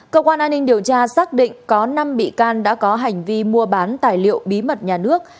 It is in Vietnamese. cơ quan an ninh điều tra xác định có năm bị can đã có hành vi mua bán tài liệu bí mật nhà nước